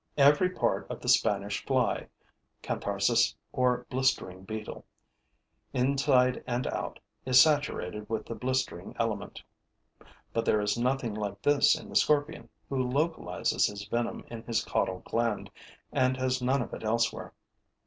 Every part of the Spanish fly [Cantharis or blistering beetle], inside and out, is saturated with the blistering element; but there is nothing like this in the scorpion, who localizes his venom in his caudal gland and has none of it elsewhere.